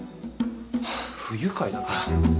ハァ不愉快だな。